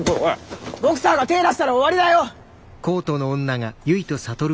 ボクサーが手ぇ出したら終わりだよ！